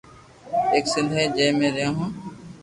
ايڪ سندھ ھي جي ۾ مي رھيو ھون